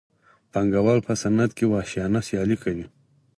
پانګوال په صنعت کې وحشیانه سیالي کوي